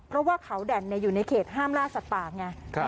เพราะว่าเขาแด่นอยู่ในเขตห้ามล่าสัตว์ป่าไง